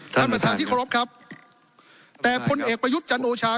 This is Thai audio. ท่านประธานครับแต่พลเอกประยุทธจันทรวชา